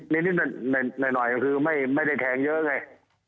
นิดหน่อยก็คือไม่ได้แทงเยอะไง